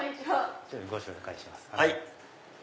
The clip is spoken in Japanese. ご紹介しますね